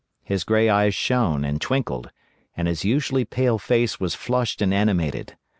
His pale grey eyes shone and twinkled, and his usually pale face was flushed and animated.